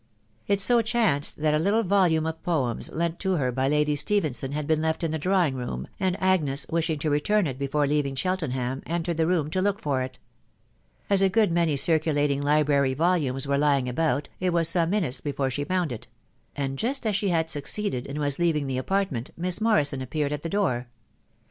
It so chanced that a little volume of poems, lent to her by Lady Stephenson, had been left in the drawing room, and Agnes, wishing to return it before leaving Cheltenham, en tered the room to look for it. As a good many circulating li brary volumes were lying about, it was some minutes before she found it ; and just as she had succeeded, and was leaving the apartment, Miss Morrison appeared at the door.